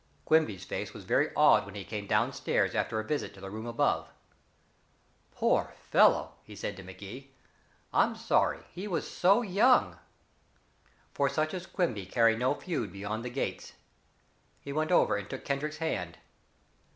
Quimby's face was very awed when he came down stairs after a visit to the room above. "Poor fellow!" he said to Magee. "I'm sorry he was so young." For such as Quimby carry no feud beyond the gates. He went over and took Kendrick's hand.